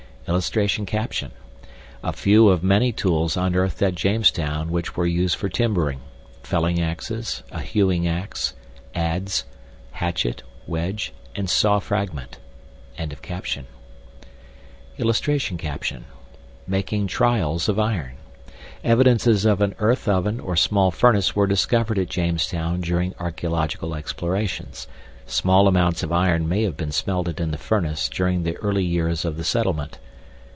[Illustration: A FEW OF MANY TOOLS UNEARTHED AT JAMESTOWN WHICH WERE USED FOR TIMBERING: FELLING AXES, A HEWING AXE, ADZE, HATCHET, WEDGE, AND SAW FRAGMENT.] [Illustration: MAKING "TRIALLS" OF IRON. EVIDENCES OF AN EARTH OVEN OR SMALL FURNACE WERE DISCOVERED AT JAMESTOWN DURING ARCHEOLOGICAL EXPLORATIONS. SMALL AMOUNTS OF IRON MAY HAVE BEEN SMELTED IN THE FURNACE DURING THE EARLY YEARS OF THE SETTLEMENT.